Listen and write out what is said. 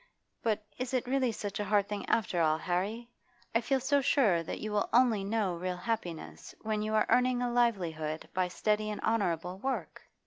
But is it really such a hard thing after all, Harry? I feel so sure that you will only know real happiness when you are earning a livelihood by steady and honourable work.